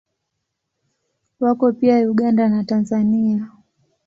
Wako pia Uganda na Tanzania.